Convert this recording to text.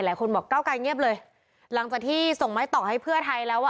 หลายคนบอกเก้าไกรเงียบเลยหลังจากที่ส่งไม้ต่อให้เพื่อไทยแล้วอ่ะ